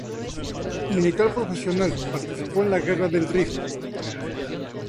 Militar profesional, participó en la Guerra del Rif.